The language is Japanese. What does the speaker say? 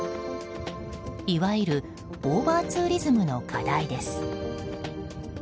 いわゆるオーバーツーリズムの課題です。